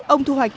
ông thu hoạch